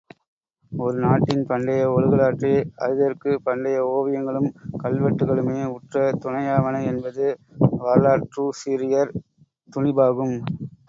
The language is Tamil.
ஒரு நாட்டின் பண்டைய ஒழுகலாற்றை அறிதற்குப் பண்டைய ஓவியங்களும் கல்வெட்டுக்களுமே உற்ற துணையாவன என்பது வரலாற்றூசிரியர் துணிபாகும்.